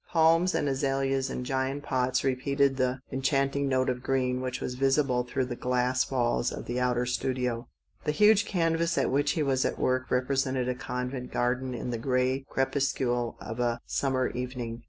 Palms and azaleas in giant pots repeated the enchanting note of green which was visible through the glass walls of the outer studio. The huge canvas at which he was at work represented a convent garden in the grey crepuscule of a summer evening.